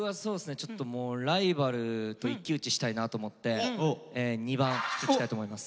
ちょっともうライバルと一騎打ちしたいなと思って２番いきたいと思います。